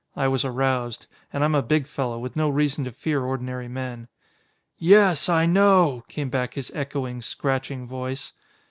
I was aroused. And I'm a big fellow, with no reason to fear ordinary men. "Yes, I know!" came back his echoing, scratching voice.